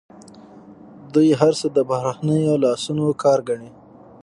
دوی هر څه د بهرنیو لاسونو کار ګڼي.